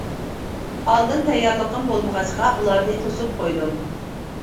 ئالدىن تەييارلىقىم بولمىغاچقا ئۇلارنى توسۇپ قويدۇم.